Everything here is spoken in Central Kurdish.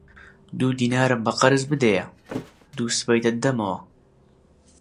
دوو دینارم بە قەرز بدەیە، دووسبەی دەتدەمەوە